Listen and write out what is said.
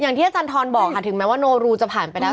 อย่างที่อาจารย์ทรบอกค่ะถึงแม้ว่าโนรูจะผ่านไปแล้ว